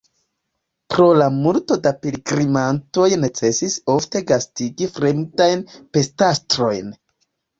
Pro la multo da pilgrimantoj necesis ofte gastigi fremdajn pstastrojn.